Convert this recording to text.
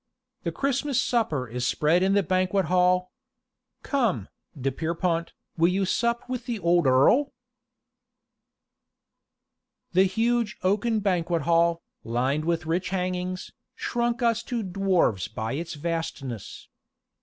The Christmas supper is spread in the banquet hall. Come, de Pierrepont, will you sup with the old Earl?" The huge oaken banquet hall, lined with rich hangings, shrunk us to dwarfs by its vastness.